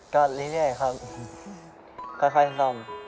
ก็เรื่อยครับค่อยซ่อม